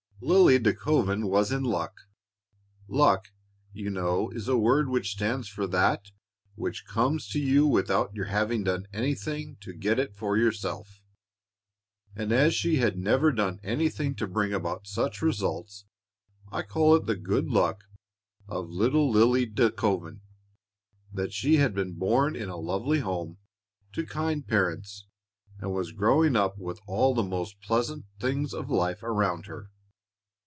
Lily De Koven was in luck. Luck, you know, is a word which stands for that which comes to you without your having done anything to get it for yourself; and as she had never done anything to bring about such results, I call it the good luck of little Lily De Koven that she had been born in a lovely home, to kind parents, and was growing up with all the most pleasant things of life around her.